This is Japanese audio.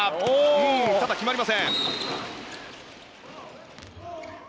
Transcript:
ただ、決まりません。